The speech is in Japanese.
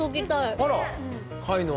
あら！